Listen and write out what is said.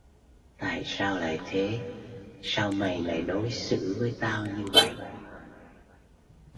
Tại sao lại thế Sao mày lại đối xử với tao như vậy